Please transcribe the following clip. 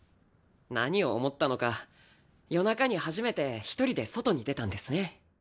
何を思ったのか夜中に初めて一人で外に出たんですね。